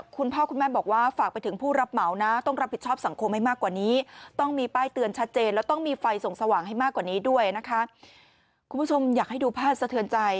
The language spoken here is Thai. คุณพ่อคุณแม่บอกว่าฝากไปถึงผู้รับเหมานะ